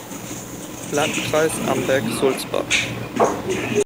Landkreis Amberg-Sulzbach